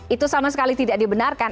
itu sama sekali tidak dibenarkan